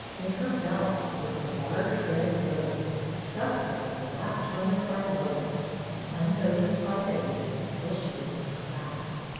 In her belt was a large red rose, stuck there at the last mo ment by Lois and unnoticed by Betty until she was in the class.